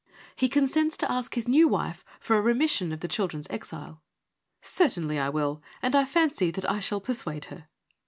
He consents to ask his new wife for a remission of the children's exile. ' Certainly I will, and I fancy that I shall persuade her.'